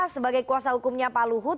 sebagai kuasa hukumnya pak luhut